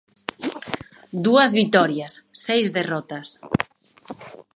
Dúas vitorias, seis derrotas.